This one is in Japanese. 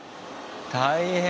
大変！